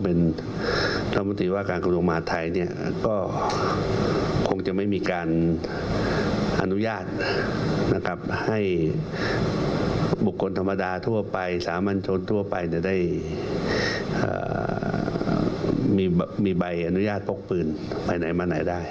ไปไหนมาไหนได้